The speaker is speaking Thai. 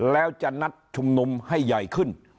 แล้วจะนัดชุมนุมให้ใหญ่ขึ้น